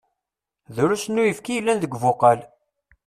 Drusn uyefki i yellan deg ubuqal..